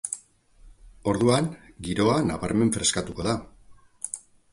Orduan, giroa nabarmen freskatuko da.